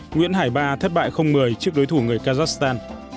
nguyễn hải ba thất bại một mươi trước đối thủ người kazakhstan